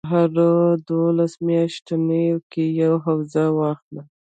په هرو دولسو میاشتو کې یوه حوزه واخلي.